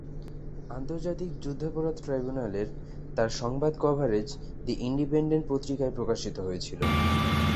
আন্তর্জাতিক যুদ্ধাপরাধ ট্রাইব্যুনালের তার সংবাদ কভারেজ "দি ইন্ডিপেন্ডেন্ট" পত্রিকায় প্রকাশিত হয়েছিল।